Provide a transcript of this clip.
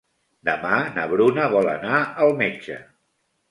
Demà na Bruna vol anar al metge.